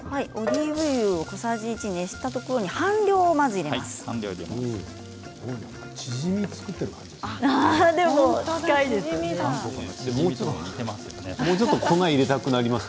オリーブ油を小さじ１熱したところでまずは半量入れます。